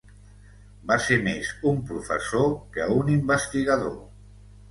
Va ser més un professor que un investigador.